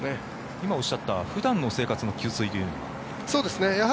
今おっしゃった普段の生活の給水というのは？